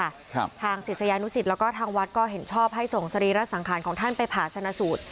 ทางศิษยานุสิตแล้วก็ทางวัดก็เห็นชอบให้ส่งสรีระสังขารของท่านไปผ่าชนะสูตร